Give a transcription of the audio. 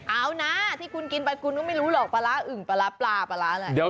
เอานะที่คุณกินไปคุณก็ไม่รู้หรอกปลาร้าอึ่งปลาร้าปลาปลาร้าอะไร